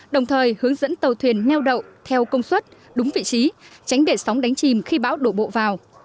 đồng thời hướng dẫn tàu thuyền neo đậu theo công suất đúng vị trí tránh để sóng đánh chìm khi bão đổ bộ vào